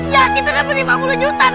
ya kita dapat lima puluh juta